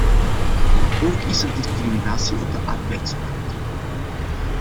Ook is er discriminatie op de arbeidsmarkt.